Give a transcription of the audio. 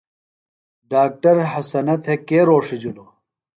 ڈاکٹر حسنہ تھےۡ کے رھوݜِجِلوۡ ؟